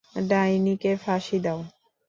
ডাইনি কে ফাঁসি দাও।